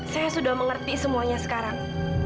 saya sudah mengerti semuanya sekarang